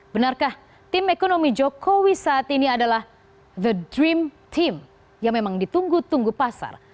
benarkah tim ekonomi jokowi saat ini adalah the dream team yang memang ditunggu tunggu pasar